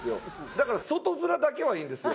だから外面だけはいいんですよ。